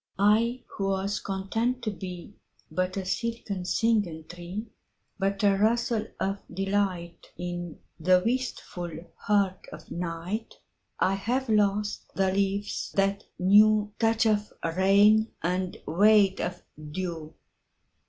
I who was content to beBut a silken singing tree, But a rustle of delightIn the wistful heart of night,I have lost the leaves that knewTouch of rain and weight of dew.